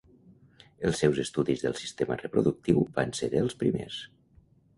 Els seus estudis del sistema reproductiu van ser dels primers.